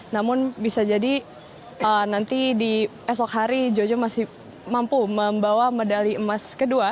namun bisa jadi nanti di esok hari jojo masih mampu membawa medali emas kedua